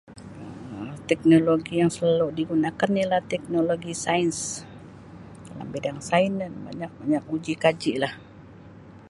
Um Teknologi yang selalu digunakan ialah teknologi sains Um bidang sain banyak-banyak uji kaji lah.